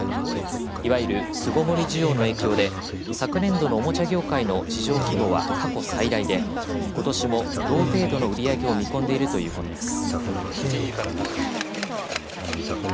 いわゆる巣ごもり需要の影響で昨年度のおもちゃ業界の市場規模は過去最大でことしも同程度の売り上げを見込んでいるということです。